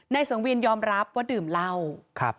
สังเวียนยอมรับว่าดื่มเหล้าครับ